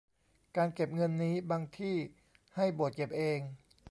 การเก็บเงินนี้บางที่ให้โบสถ์เก็บเอง